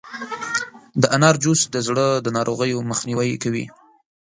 د انار جوس د زړه د ناروغیو مخنیوی کوي.